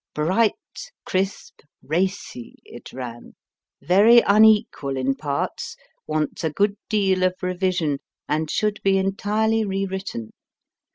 Bright, crisp, racy, it ran. Very unequal in parts, wants a good deal of revision, and should be entirely re written.